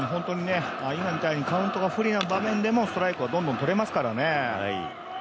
今みたいにカウントが不利な場面でもストライクをどんどん取れますからね。